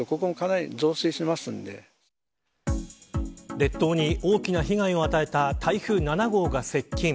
列島に大きな被害を与えた台風７号が接近。